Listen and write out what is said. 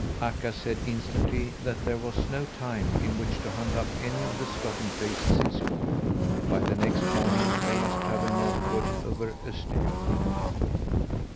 Akka said instantly that there was no time in which to hunt up any of the stopping places in Småland. By the next morning they must travel northward, over Östergötland.